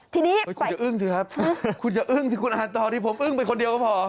ทีนี้ไปคุณจะอึ้งสิครับคุณอาจต่อดีผมอึ้งไปคนเดียวก็พอ